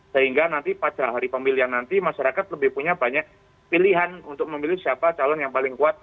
sehingga nanti pada hari pemilihan nanti masyarakat lebih punya banyak pilihan untuk memilih siapa calon yang paling kuat